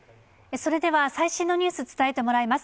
それでは最新のニュース、伝えてもらいます。